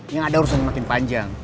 ini ada urusan yang makin panjang